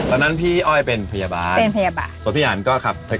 แล้านั้นพี่ออยเป็นพยาบาลเป็นพยาบาล